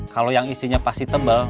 kalau yang isinya pasti tebal